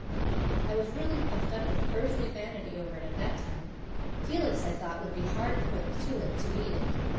I was really puffed up with earthly vanity over it at that time. Felix, I thought, would be hard put to it to beat it.